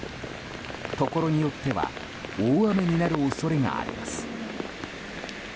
ところによっては大雨になる恐れがあります。